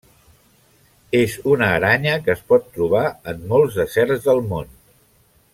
És una aranya que es pot trobar en molts deserts del món.